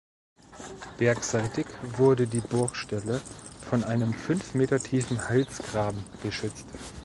Bergseitig wurde die Burgstelle von einem fünf Meter tiefen Halsgraben geschützt.